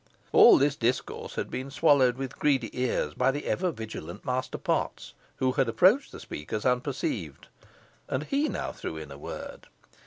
All this discourse had been swallowed with greedy ears by the ever vigilant Master Potts, who had approached the speakers unperceived; and he now threw in a word.